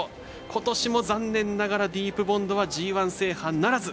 ことしも残念ながらディープボンドはＧＩ制覇ならず。